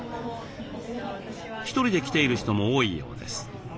１人で来ている人も多いようです。